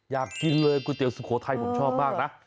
อยากกินเลยก๋วยเตี๋สุโขทัยผมชอบมากนะ